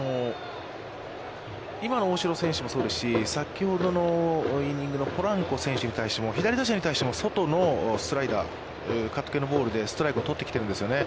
今の大城選手もそうですし、先ほどのイニングのポランコ選手に対しても、左打者に対しても外のスライダー、カット系のボールでストライクを取ってきてるんですよね。